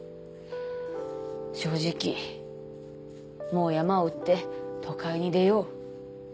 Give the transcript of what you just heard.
正直もう山を売って都会に出よう。